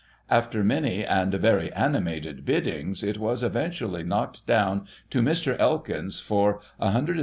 After many and very animated biddings it was eventually knocked down to Mr. Elkins for £16$ 15s.